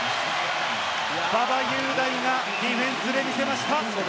馬場雄大がディフェンスで見せました！